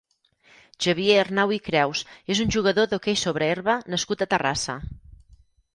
Xavier Arnau i Creus és un jugador d'hoquei sobre herba nascut a Terrassa.